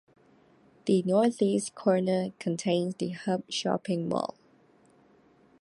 The northeast corner contains The Hub shopping mall.